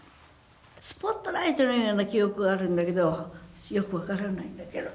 スポットライトのような記憶はあるんだけどよく分からないんだけど。